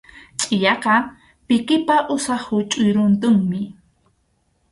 Chʼiyaqa pikipa usap huchʼuy runtunmi.